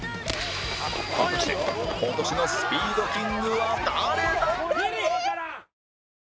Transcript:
果たして今年のスピードキングは誰だ？